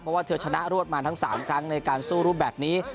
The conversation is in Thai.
เพราะว่าเธอชนะรวดมาทั้ง๓ครั้งในการสู้รูปแบบนี้